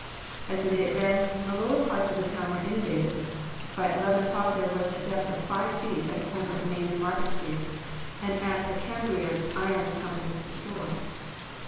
As the day advanced the lower parts of the town were inundated. By eleven o'clock there was a depth of five feet at the corner of Main and Market streets, and at the Cambria Iron Company's store.